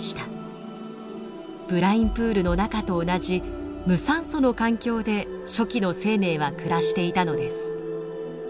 ブラインプールの中と同じ無酸素の環境で初期の生命は暮らしていたのです。